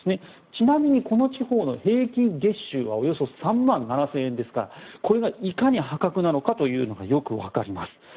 ちなみにこの地方の平均月収はおよそ３万７０００円ですからこれがいかに破格なのかというのがよくわかります。